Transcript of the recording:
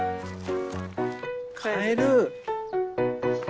カエル。